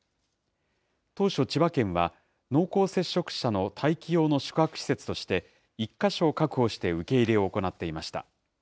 当初、千葉県は、濃厚接触者の待機用の宿泊施設として１か所を確保して受け入れを行っていました。